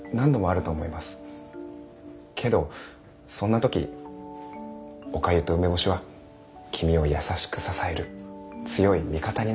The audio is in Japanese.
けどそんな時おかゆと梅干しは君を優しく支える強い味方になってくれるでしょう。